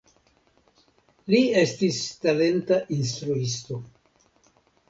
Li estis talenta instruisto.